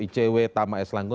cw tama s langgun